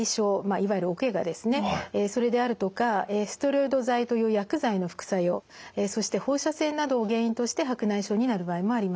いわゆるおけがですねそれであるとかステロイド剤という薬剤の副作用そして放射線などを原因として白内障になる場合もあります。